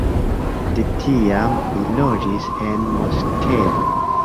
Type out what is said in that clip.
De tiam li loĝis en Moskvo.